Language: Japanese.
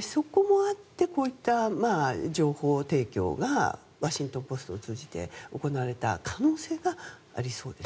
そこもあってこういった情報提供がワシントン・ポストを通じて行われた可能性がありそうです。